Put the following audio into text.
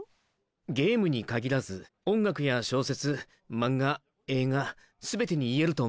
ゲームに限らず音楽や小説マンガ映画全てに言えると思うんですけど。